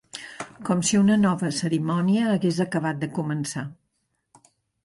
Com si una nova cerimònia hagués acabat de començar.